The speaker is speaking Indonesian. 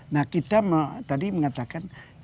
nah kita tadi mengatakan